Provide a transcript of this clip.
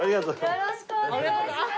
よろしくお願いします。